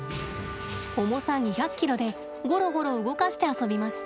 重さ２００ｋｇでゴロゴロ動かして遊びます。